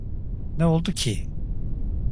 Ne oldu ki?